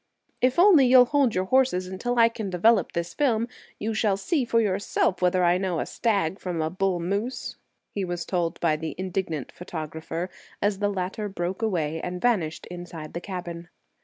"If only you'll hold your horses until I can develop this film, you shall see for yourself whether I know a stag from a bull moose," he was told by the indignant photographer, as the latter broke away and vanished inside the cabin.